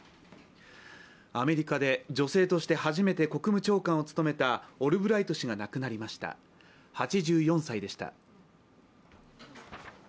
アメリカで女性として初めて国務長官を務めたオルブライト氏が亡くなりました８４歳でした。